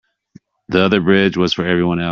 The other bridge was for everyone else.